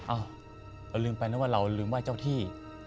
อ้าวแล้วลืมไปแล้วว่าเราลืมไหว้เจ้าที่